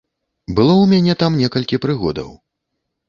Было ў мяне там некалькі прыгодаў.